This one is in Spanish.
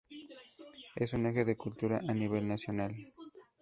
Es un eje de la cultura a nivel nacional.